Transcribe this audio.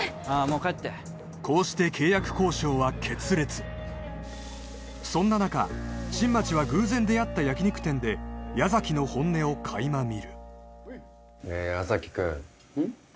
もう帰ってこうして契約交渉は決裂そんな中新町は偶然出会った焼き肉店で矢崎の本音を垣間見るねえ矢崎君うん？